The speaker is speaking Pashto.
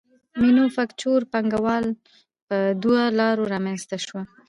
مینوفکچور پانګوالي په دوو لارو رامنځته شوه